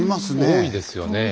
多いですね。